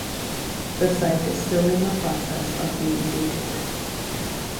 The site is still in the process of being dated.